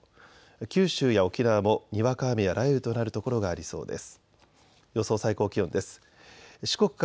九州や沖縄もにわか雨や雷雨となるところがありそうです。